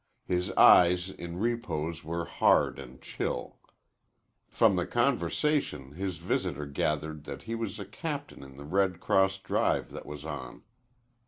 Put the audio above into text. His eyes in repose were hard and chill. From the conversation his visitor gathered that he was a captain in the Red Cross drive that was on.